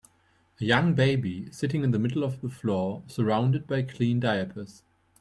a young baby sitting in the middle of the floor surrounded by clean diapers